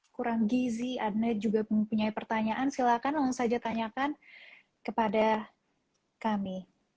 kurang gizi ada yang juga mempunyai pertanyaan silakan langsung saja tanyakan kepada kami